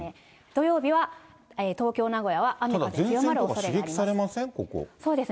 土曜日は東京、名古屋は雨風強まるおそれがあります。